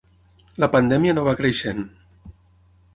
La pandèmia no va creixent.